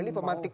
oh ini pemantik